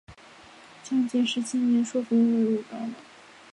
嘉靖十七年受封为武冈王。